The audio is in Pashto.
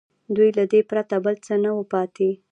دوی ته له دې پرته بل څه نه وو پاتې